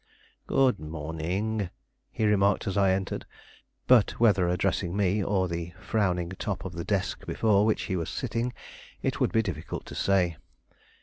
"Good morning," he remarked as I entered, but whether addressing me or the frowning top of the desk before which he was sitting it would be difficult to say.